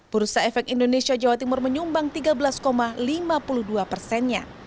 bursa efek indonesia jawa timur menyumbang tiga belas lima puluh dua persennya